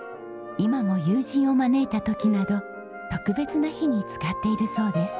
今も友人を招いた時など特別な日に使っているそうです。